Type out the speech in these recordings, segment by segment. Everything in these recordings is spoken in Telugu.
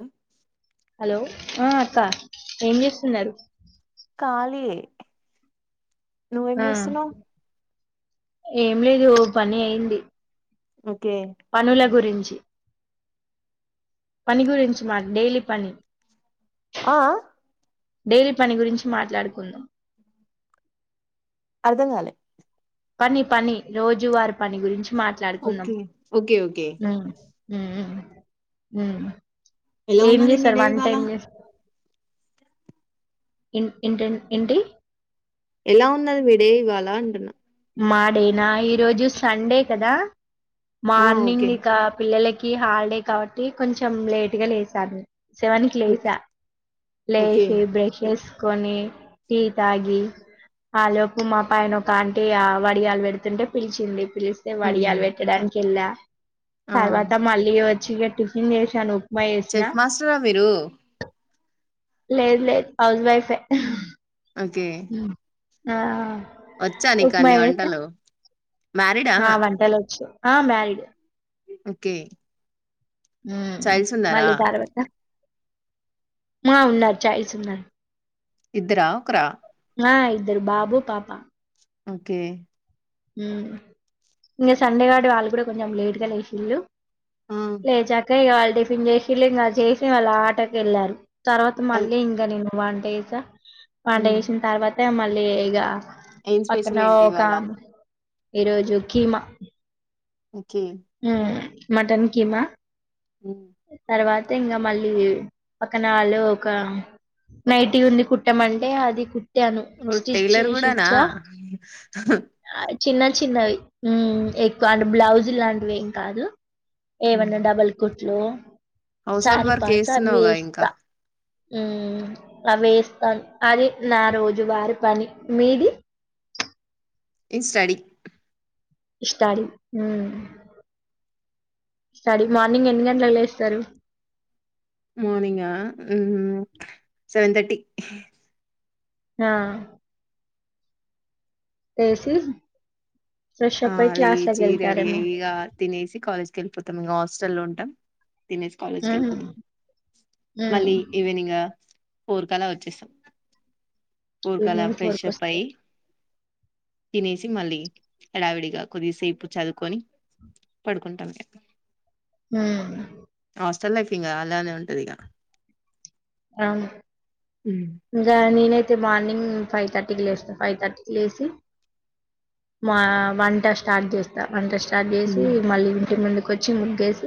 ఆ హలో ఆ అక్క ఏం చేస్తున్నారు కాాలే నువ్వేం ఆ చేస్తున్నావు ఏం లేదు పని అయింది ఓకే పనుల గురించి పని గురించి మా డైలీ పని ఆ డైలీ పని గురించి మాట్లాడుకుందాం అర్ధంంగాాలి పని పని రోజువారి పని గురించి మాట్లాడుకుందాం ఓకే ఓకే ఓకే హ ఎలా ఏం ఉన్నది మీ చేస్తార్ డే వన్ ఇవాళ టైమ్ చేస్తార్ ఇ ఇన్ ఇంటిడి ఎలా ఉన్నది మీడే ఇవాళ అంటున్నా మాడేనా ఈరోజు సండే కదా ఆ ఓకే మార్నింగ్ ఇక పిల్లలకి క హాలిడే కాబట్టి కొంచెం లేట్ గా లేసాను సెవెన్ క్ ఓకే లేసా ఓకే లేస్ బ్రష్ ని టీ తాగి ఆ లోపు మా పైన ఒక వడియాలు పెడుతుంటే పిలిచింది పిలి ఉమ్ వడియాాల వెట్టడానికిల్ ఆ సాలవాత మాాలచ్చ వచ్చెట్టిషాను చెఫ్ మాస్టరా మీరు లేదు లేదు హౌస్ వైఫే ఓకే ఆ ఉప్మా వచ్చానుకన్ని చేసా వంటలు మ్యారీడా ఆ వంటలు వచ్చు ఆ మ్యారీడ్ ఓకే ఉ చైల్డ్స్ ఉన్నారా మళ్ళీ దర్వాత మా ఉన్నారుచఐజ ఉన్నాని ఇద్దరా ఒకరా ఆ ఇద్దరు బాబు పాపా ఓకే ఇంకా సండే గడ వాళ్ళు కూడా కొంచెం లేట్గా లేషల్ళలు ఆ లేజాకయ వాల్ టిఫెన్ చేసిళ్ళ ఇంకా చేసి వాళ్ళ ఆటకి వెళ్ళారు తర్వాత ఎల్ మళ్ళీ ఇంకా నేను వన్ డేసా ఉమ్ పడుగేసిన తర్వాత మళ్ళీ లేగా ఏం పక్కన స్పెషల్ ఓ ఏంటి ఇవాళ కామ్ ఈరోజు కీమా ఓకే మ్ మటన్ కిమా ఉమ్. తర్వాత ఇంకా మళ్ళీ పక్కనాలో ఒక నైటి ఉంది కుట్టమంటే అది కు టైలర్ కూడానా ఆ, చిన్న చిన్నవి ఎక్కువ అంటే బ్లౌజ్ లాంటి అవేం కాదు ఏవన్న ఉమ్. డబల్ కుట్ హలో హౌస్ హోల్డ్ చారి వర్క్ పాచ చేస్తున్నావుగా వేస్ ఇంకా అ వేస్తాను అది నా రోజు వారి పని మీది ఇన్ స్టడి ఇస్తారు సడీ మార్నింగ్ ఎన్ని గంటలలకు లేస్తారు మార్నింగ ఆ సెవెన్ థర్టీ ఆ కేసీ ఆ లేచి రెడీ అయ్యి ఇక తినేసి కాలేజ్కి వెళ్ళిపోతాం ఇంకా హాస్టల్లో లో ఉంటాం తినేసి కాలేజ్కి హ్మ్. వెళ్ళిపోతం హ్మ్. మళ్ళీ ఈవినింగ్ ఊరికనే వచ్చేసాం ఇని మీ ఫర్కస్త తినేసి మళ్ళి ఎడావిడిగా కొద్దిసేపు చదువుకొని పడుకుంటాం క హ్మ్ చాల్కింగా అలానే ఉంటరిగా ఆ ఇకా ననయి యితే మార్నింగ్ ఫైవ్ థర్టీకి లేస్తా ఫైవ్ థర్టీ లేసి వంట స్టార్ట్ చేస్తా వ స్ స్టార్ట్ చేసి మళ్ళీ ఇంటి ముందు కొంచెం ముగ్గేసి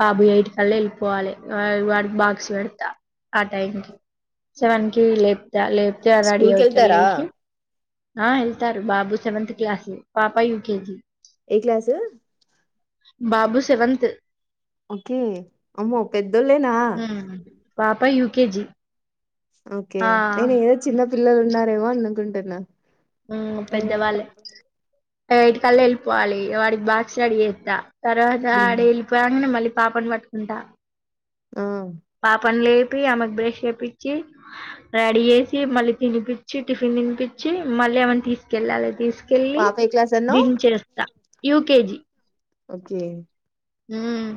బాబు ఎటి కల్ళ వెళ్ళిపోవాలి వాడికి బాక్స్ పెడతా ఆ టైం క సెవెన్ కి లేపు తలచలేసి రెడీ స్కూల్ కి వెళ్తారా అయ్యిసి ఆ వెళ్తారు బాబు సెవెంత్ క్లాస్ పాప యూకేజీ ఏ క్లాసు బాబు సెవెంతంత్ ఓకే అమ్మో పెద్దోళ్ళేనా ఉమ్ పాప యయుకేజీ ఓకే నేను ఏదో చిన్న పిల్లలు ఉ నరేవా అన్నకుంటేన్నా ఉ పెద్దవాళ్ళే ఎయిట్ కెల్లా వెళ్ళిపోవాలి వాడికి బాక్స్ రెడీ చేస్తా తర్వాత ఆడ వెళ్లిపోగనే మళ్ళీ పాప వాట్కుంట ఆ పాపంలే ఆమెకు బ్రేష్ చేయిించి రెడీ చేసి మళ్ళీ తినిపించి టిఫిన్ తినిపించి మళ్ళీ ఆమని తీసుకెళ్ళాలి తీసుక కెళ్ళి పాప ఏ క్లాస్ అన్నావ్ దేస్తా యూకేజి ఓకే హ్మ్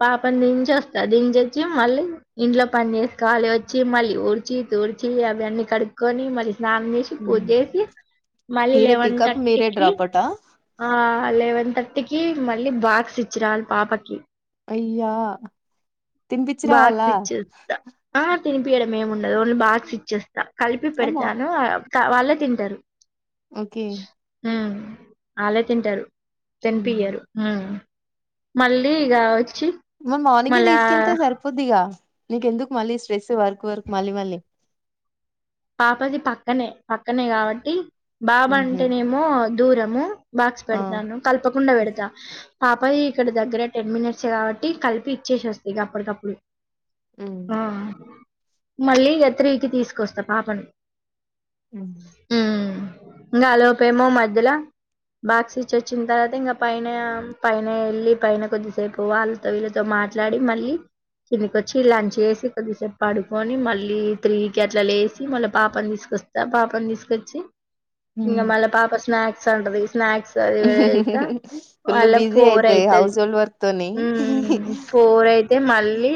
పాపని దించ వస్తా దించ వచ్చి మళ్ళీ ఇంట్లో పని వేసి ళి వచ్చి మళ్ళీ ఊడిచి తూడిచి అవి అన్నీ కడుక్కకొని మళ్ స్నానం చేసి పూజ చేసి మళ్ళీ మీరే లెవెన్ పికప్ మీరే థర్టీకి డ్రాపౌటా ఆ లెవెన్ తార్టికి మళ్ళీ బాక్స్ ఇచ్చరి పాపకి అయ్యా తింపిచ్చ రావాలా మేము ఉండదు ఓన్లీ బాగస్ ఇచ్చేస్తంది కలిపి అమ్మా పెడతాను వాళ్ళే తింటారు ఓకే ఆలా తింటారు తెంపియరు హ్మ్ మళ్ళీ ఈ మరి మార్నింగే తీసుకెళ్తే సరిపోద్దిగా నీకెందుకు మళ్ళీ స్ట్రెస్ వర్క్ వర్క్ మళ్ళీ మళ్ళీ పాపది పక్కనే పక్కనే కాబట్టి ఉహు బాబంటేనేమో.. దూరము బాక్స్ ఆ పెడతాను. కల్పకుండా పెడ్తా పాపది ఇక్కడ దగ్గర టెన్ మినిట్స్ కాబట్టి కలిపి ఇచ్చేసి వస్తా ఇగ అప్పటికప్పుడు ఉమ్ ఆ మళ్ళీ ఎత్రీకి తీసుకొస్తా పాపని హ్ కా ఆలోపేమో మధ్యల బాక్స్ ఇచ్చొచ్చిన తర్వాత ఇంకా పైన పైన ఎళ్ళి పైన కొద్దిసేపు వాళ్ళతో వీళ్ళతో మాట్లాడి మళ్ళీ కిందికి వచ్చి లంచ్ చేసి కొద్దిసేపు పడుకొని మళ్ళీ త్రీకి అట్ల లేస్ మళ్ళ పాపని తీసుకొస్తా పాపని తీసుకొచ్చి ఇగ ఉమ్ మళ్ళ పాప స్నాక్స్ [unintelligible] స్నాక్స్ అది పెడ్త ఫుల్ మళ్ళ బిజీ ఫోర్ అయితాయి అయితది హౌస్ హోల్డ్ వర్క్ తోని ఫోర్ మ్ అయితే మళ్ళీ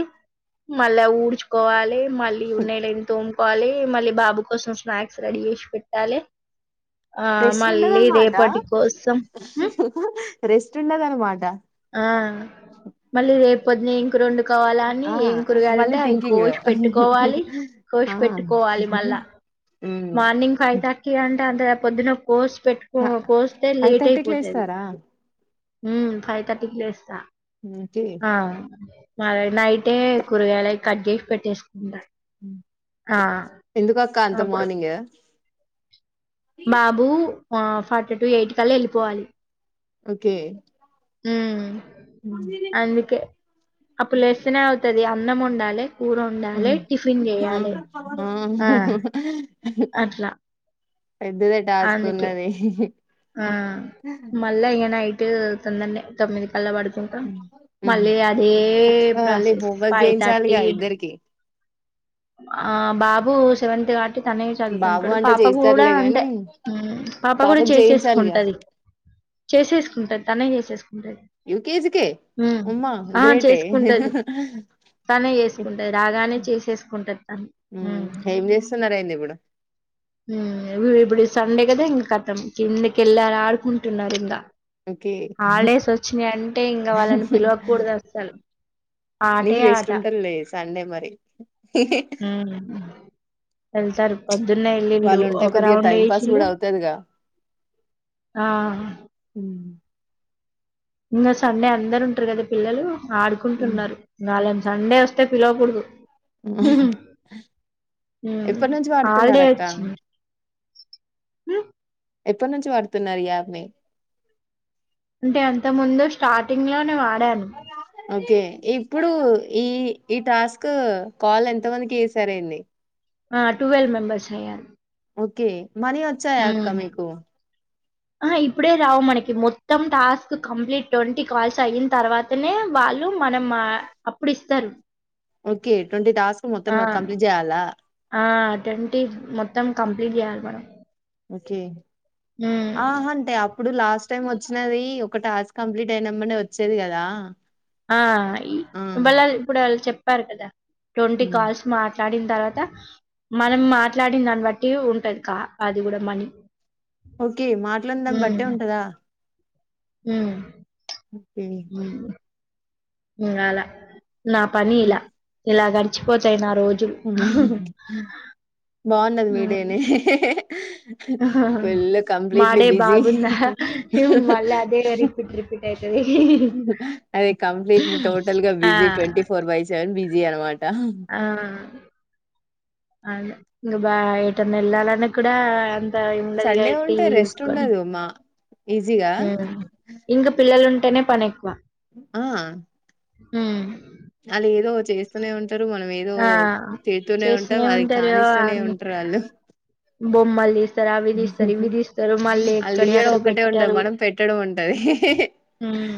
మళ్ళా ఊడ్చుకోవాలి మళ్ళి ఉన్నయి లేని తోం వాలి మళ్ళీ బాబు కోసం స్నాక్స్ రెడీ చేసి పెట్టాలె ఆ రెస్ట్ మళ్ళీ ఉండదన్నమాట రేపటి కోసం రెస్ట్ ఉండదన్నమాట. ఆ మళ్ళీ రేప్ [inaudible] ఇంక రొండు కోవాలని ఆ ఏం మళ్ళీ కురగాలుంటే అవి థింకింగ్ కోష్ పెట్టుకోవాలి. కోష్ ఆ పెట్టుకోవాలి మళ్ళా హ్మ్ మార్నింగ్ ఫైవ్ థర్టీ అంటే అంత పొద్దున్న కోష్ పెట్టుకో క కోస్తే ఫైవ్ లేట్ థర్టీకి అయిపోతది. లేస్తారా హ్మ్ ఫైవ్ థర్టీకిలేస్తా ఓకే మ నైటే కూరగాయలయి కట్చేసి పెట్టేసుకుంటా ఆ ఎందుకక్క అంత మార్నింగ్ బాబూ ఆ ఫార్టీ టు ఎయిట్ కల్లా ఎళ్ళిపోవాలి. ఓకే హ్ హ్మ్ అందుకే అప్పులేస్తేనే తది అన్నం వండాలె. కూర ఉండాలి హ్మ్ టిఫిన్ హ్మ్ చేయాలి ఆ అట్లా పెద్దదే టాస్క్ అందుకే ఉన్నది ఆ మళ్ళా ఏనై [unintelligible] తొమ్మిది కల్ల పడుకుంటం హ్మ్ మళ్ళీ అదే మళ్ళీ ప్రాసెస్ హోంవర్క్ ఫైవ్ థర్టీ చేయించాలిగా ఇద్దరికి ఆ బాబు సెవెంతగా తనే బాబు చదువుకుంటాడు అంటే పాప కూడా చేస్తారులే అంటే గాని పాప కూడా పాపకు చేయించాలిగా చేసేసుకుంటది చేసేసుకుంటారు తనేం చేసేసుకుంట యూకేజీకే ఉ అమ్మా ఆ గ్రేటే చేసుకుంటది‌తనే చేసుకుంటది రాగానే చేసేసుకు హు హ్మ్ ఏం చేస్తున్నారేంది ఇప్పుడు ఇ ఇప్పుడి స ఉండే కదా ఇంకా గతం కిందకెళ్ళి ఆడుకుంటున్నారు ఇంకా ఓకే హాలిడేస్ వచ్చినాయి అంటే‌ఇంకా వాళ్ళని పిలువకకూడదు అసలు ఆటే నీకు రెస్ట్ ఆట ఉంటదిలే సండే మరి హ వెళ్తారు పొద్దున్నె ఎల్లిల్ళు‌ వాళ్ళు ఉంటే ఒక కొద్దిగా రౌండ్ టైం పాస్ వేసిల్లు కూడా అవుతదిగా ఆ హ్మ్. ఇ సండే అందరు ఉంటారు కదా పిల్లలు హ్మ్. ఆడుకుంటున్నారు‌ నాల సండే వస్తే పిలవకూడదు హు ఎప్పటినుంచి వాడుతున్నారక్క హు ఎప్పటి నుంచి వాడుతున్నారు ఈ ఆప్ ని అంటే అంత ముందు స్టార్టింగ్ లోనే వా డాను ఓకే ఇప్పుడు ఈ ఈ టాస్క్ కాల్ ఎంత మందికి చేసారేంది ఆ టువెల్వ్ మెంబెర్స్ అయ్యారు ఓకే మనీ వచ్చా క్క మీకు ఆ ఇప్పుడే రావు మనకి మొత్తం టాస్క్ కంప్లీట్ ట్వంటీ కాల్స్ అయిన తర్వాతనే వాళ్ళు మనం అప్పుడు ఇస్తారు ఓకే ట్వంటీ టాస్క్ మొత్తం కంప్లీట్ చేయాలా ఆ అటువంటి మొత్తం కంప్లీట్ చెయాలి మనం ఓకే ఉమ్, ఆ అంటే అప్పుడు లాస్ట్ టైం వచ్చినది ఒక టాస్క్ కంప్లీట్ అయిన మనే వచ్చేది కదా ఆహ్ ఆ ఇగ్ మాళ్ళ ఇప్పుడు వాల్ చెప్ పరూకదా ట్వంటీ హ్మ్. కాల్స్ మా మాట్లాడిన తర్వాత. మనం మాట్లాడిన దాన్ని బట్టి ఉంటది. కా అది కూడా మనీ. ఓకే మాట్లాడిన దాన్ని బట్టే ఉంటదా. ఉహ్మ్ ముప్పే నువ్ రాళ్ళ నా పనీలా ఇలా గడిచిపోతయి నా రోజులు ఉహ్ హు హు బాగున్నది. ఉమ్ మీడేనే హా హా ఫుల్ మా కంప్లీట్లీ డే బిజీ. బాగుందా మళ్ళీ అదే రిపీట్ రిపీట్ అయితది ఉహ్మ్ ఐ కంప్లీట్లీ టోటల్ గా ఆ busy twenty four by seven Bij G అనమాట్ హా ఉహ్ ఆ అదే ఇంకా బా ఏటనా వెళ్లాలన్న కూడా. ఉండదిగా సండే ఉంటే టీవీ రెస్ట్ చూసుకొని. ఉండదు మా ఈజీగా ఆహ్ ఇంకా పిల్లలు టేనే పనేక్కువా. ఆహ్ ఉహ్మ్ అది ఏదో చేస్తూనే ఉంట్ ఆ ఉంటాం చేస్తునే అది ఉంటారు. కానిస్తూనే ఉంటారు వాళ్ళు బొమ్మలు తీస్తారు. అవి తీస్తారు. ఇవి తీస్తారు మళ్ళీ వాళ్ళు ఎక్కడ ఇయ్యడం అక్కడ ఒకటే ఉంటది పెట్టరు. మనం పెట్టడం ఉంటది ఉహ్మ్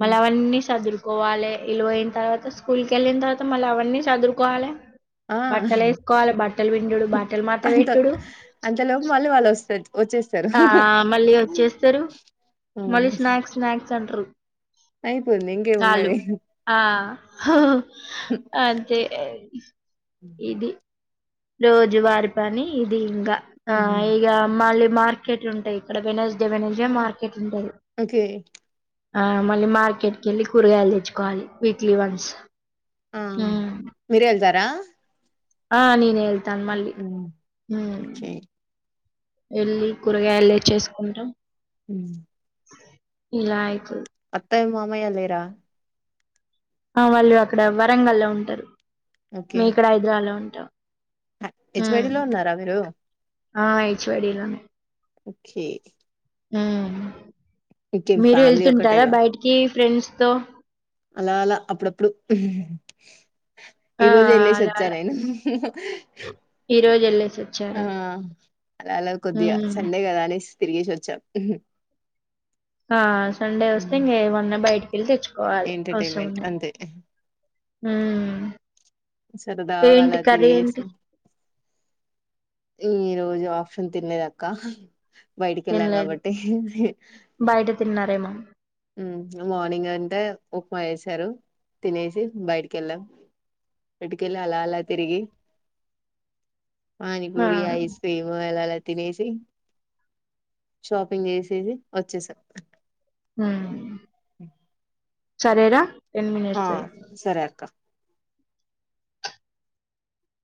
మళ్ళీ అవన్నీ సదురుకోవాలి. వీళ్లు పోయిన తర్వాత. స్కూల్ కి వెళ్ళిన తర్వాత మళ్ళీ అవన్నీ. సదురుకోవాలే. ఆహ్ బట్టలు మడత అంతక్ పెట్టుడు. అంతలోకి మళ్ళీ వాళ్ళు వస్తద్ ఆ మళ్ళీ వచ్చేస్తరు. ఆ! మళ్ళీ స్నాక్స్, స్నాక్స్ అంట్రూ. అయిపోయింది [inaudible] చాలు ఇంకేమున్నది ఆహ్ హహ అంతే హ్మ్. ఇది రోజు వారి పని ఇది ఇంగా ఆహ్ హ్మ్. ఈగ మల్లి మార్కెట్ ఉంటాయి. ఇక్కడ Wednesday Wednesday market ఉంటది. ఓకే ఆహ్ మళ్ళీ మార్కెట్కి వెళ్ళి కూరగాయలు తెచ్చుకోవాలి. వీక్లీ వన్స్ ఆమ్ ఉమ్. మీరేల్ద రా ఆ నేనిల్ తన్ మళ్ళి హు ఓకే ఎళ్ళి కూరగాయలు తెచ్చుసుకుంటం. హు ఇలాయితు అత్తయ్య మామయ్య లేరా ఆ వాళ్ళు అక్కడ వరంగల్లో ఉంటరు. మీ ఇక్కడ హైదరాలో ఉ టా హెచ్వడిలో ఉన్నారా మీరు ఆ చ్చ్ యై డి లొనె ఓకే హు ఇంకేం మీరు ఫ్యామిలీ ఎళ్తుంటారా ఒకటేగా బయటికి ఫ్రెండ్స్ తో అలా అలా అప్పుడప్పుడు ఈ ఆ రోజు అలా ఎళ్ళెసొచ్చా అలా నేను, ఈ రోజు వెళ్ళేసి ఆ వచ్చారు అలా అలా కొద్దిగా ఉమ్. సండే కదా అనేస్ తిరిగేసి వచ్చా హుహ్ ఆస్ సండే వస్తే ఇంగే వన్న బయిట్ ఇళ్ తెచ్చ్ కోవాలి, అవసరం ఎంటర్టైన్మెంట్ ఉన్న అంతే సరదాగా అలా హు తిరిగేసి ఈ రోజు ఆప్షన్ తిన్నదక్క బైటికెళ్లాం తినలేదు కాబట్టి ప్రేమ హు చ్ మార్నింగ్ అంతా ఉప్మా ఎశారు, తినేసి బయటికెళ్ళాం, ఇటికెళ్ళి అలా అలా తిరిగి ఆ పానిపూరి ఐస్ క్రీమ్ ఎలాలా తినేసి షాపింగ్ చేసేసి వచ్చేస హు [unintelligible] సరేరా టెన్ ఆ మినిట్స్ అయి సరే అక్క